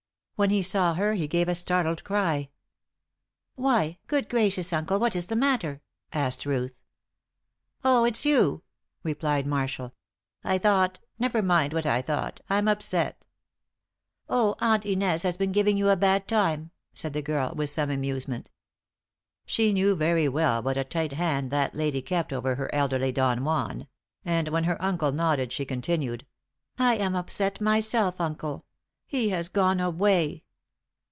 When he saw her he gave a startled cry. "Why, good gracious, uncle, what is the matter?" asked Ruth. "Oh, it's you!" replied Marshall. "I thought never mind what I thought. I'm upset." "Oh, Aunt Inez has been giving you a bad time," said the girl, with some amusement. She knew very well what a tight hand that lady kept over her elderly Don Juan; and when her uncle nodded, she continued: "I am upset myself, uncle. He has gone away!"